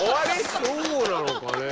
そうなのかね。